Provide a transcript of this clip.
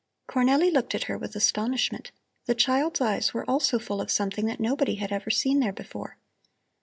Cornelli looked at her with astonishment. The child's eyes were also full of something that nobody had ever seen there before.